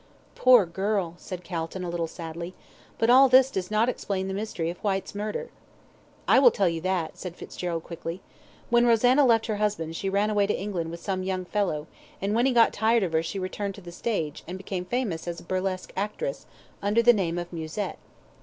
"Poor girl," said Calton, a little sadly. "But all this does not explain the mystery of Whyte's murder." "I will tell you that," said Fitzgerald, quickly. "When Rosanna left her husband, she ran away to England with some young fellow, and when he got tired of her she returned to the stage, and became famous as a burlesque actress, under the name of Musette.